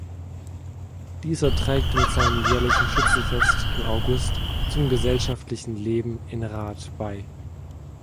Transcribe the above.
Dieser trägt mit seinem jährlichen Schützenfest im August zum gesellschaftlichen Leben in Rath bei.